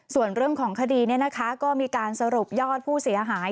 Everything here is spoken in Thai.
ส่วนเรื่องของคดีก็มีการสรุปยอดผู้เสียหาย